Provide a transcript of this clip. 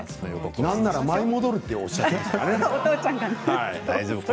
なんなら、舞い戻ると言っていましたね。